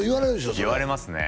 それ言われますね